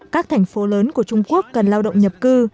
các thành phố lớn của trung quốc cần lao động nhập cư